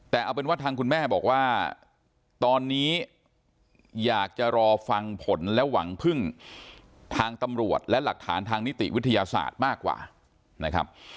แต่เอาเป็นว่าทางคุณแม่บอกว่าตอนนี้อยากจะรอฟังผลและหวังพึ่งทางตำรวจและหลักฐานทางนิติวิทยาศาสตร์มากกว่านะครับ